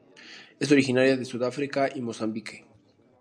Es originaria de Sudáfrica y Mozambique.